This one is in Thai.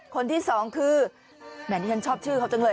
คนที่สองคือแหมที่ฉันชอบชื่อเขาจังเลย